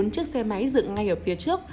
bốn chiếc xe máy dựng ngay ở phía trước